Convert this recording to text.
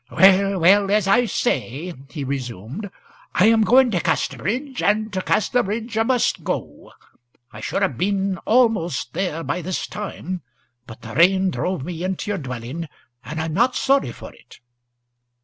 "Well, well, as I say," he resumed, "I am going to Casterbridge, and to Casterbridge I must go. I should have been almost there by this time; but the rain drove me in to ye, and I'm not sorry for it."